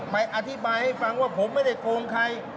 อธิบายให้ฟังว่าผมไม่ได้โกงใคร